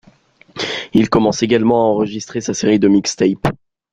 Il commence également à enregistrer sa série de mixtapes, '.